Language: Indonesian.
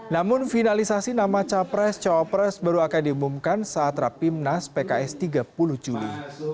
namun finalisasi nama capres cawapres baru akan diumumkan saat rapimnas pks tiga puluh juli